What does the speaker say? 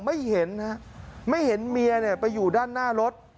ไม่เห็นฮะไม่เห็นเมียเนี่ยไปอยู่ด้านหน้ารถ